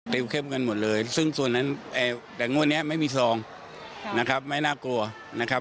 ด้วยความบริสุทธิ์ยุทธิธรรมโปร่งใสนะครับ